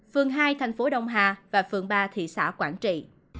phường hai thành phố đông hà và phường ba thị xã quảng trị